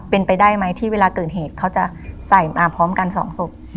เป็นไปได้ไหมที่เวลาเกิดเหตุเขาจะใส่มาพร้อมกันสองศพ